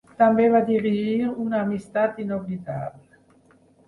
També va dirigir Una amistat inoblidable.